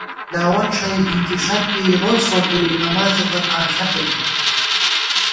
تِلاوت ݭَئی ہِنکِݭت بی روڅ فوٹُوئی نماڅے پت آں ݪمےگئیم